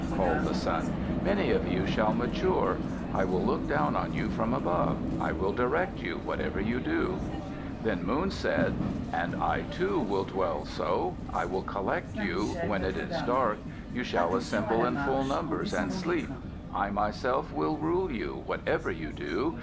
called the Sun. "Many of you shall mature. I will look down on you from above. I will direct you, whatever you do." Then Moon said, "And I, too, will dwell so. I will collect you; when it is dark, you shall assemble in full numbers, and sleep. I myself will rule you, whatever you do.